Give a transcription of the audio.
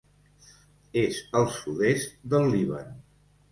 És el sud-est del Líban.